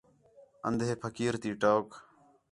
اندھے پھقیر تی ٹوک